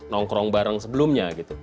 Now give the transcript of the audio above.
nongkrong bareng sebelumnya gitu